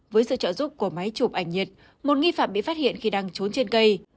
với sự trợ giúp của máy chụp ảnh nhiệt một nghi phạm bị phát hiện khi đang trốn trên cây